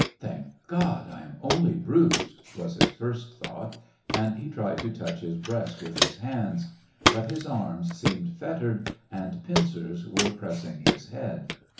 " Thank God ! I am only bruised," was his first thought, and he tried to touch his breast with his hands ; but his arms seemed fettered, and pincers were pressing his head.